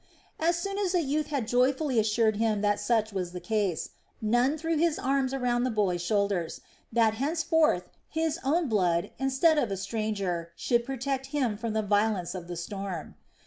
As soon as the youth had joyfully assured him that such was the case, Nun threw his arms around the boy's shoulders, that henceforth his own blood, instead of a stranger, should protect him from the violence of the storm.